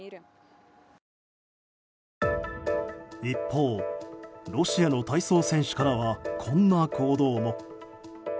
一方、ロシアの体操選手からはこんな行動も。